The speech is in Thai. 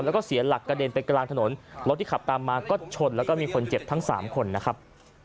แล้วก็เสียหลักกระเด็นไปกลางถนนรถที่ขับตามมาก็ชนแล้วก็มีคนเจ็บทั้งสามคนนะครับ